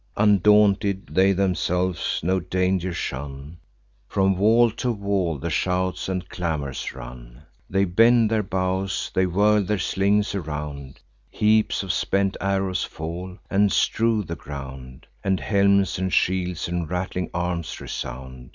Undaunted, they themselves no danger shun; From wall to wall the shouts and clamours run. They bend their bows; they whirl their slings around; Heaps of spent arrows fall, and strew the ground; And helms, and shields, and rattling arms resound.